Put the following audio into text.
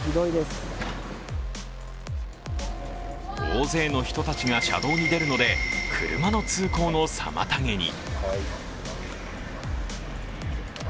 大勢の人たちが車道に出るので車の通行の妨げに。